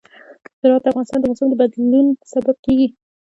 زراعت د افغانستان د موسم د بدلون سبب کېږي.